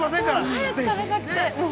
◆早く食べたくて、もう。